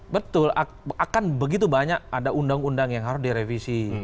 betul akan begitu banyak ada undang undang yang harus direvisi